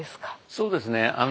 そうですね。